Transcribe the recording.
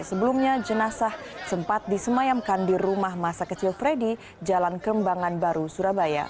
sebelumnya jenazah sempat disemayamkan di rumah masa kecil freddy jalan kembangan baru surabaya